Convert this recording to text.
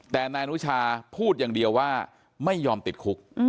แต่นายอนุชาพูดอย่างเดียวว่าไม่ยอมติดคุก